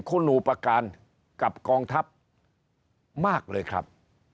คุณหนูประกาศกับกองทัพมากเลยครับ